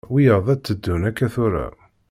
Wiyaḍ ad d-teddun akka tura.